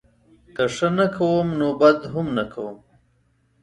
که ښه نه کوم نوبدهم نه کوم